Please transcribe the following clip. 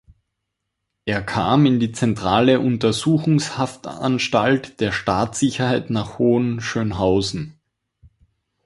Er kam in die zentrale Untersuchungshaftanstalt der Staatssicherheit nach Hohenschönhausen.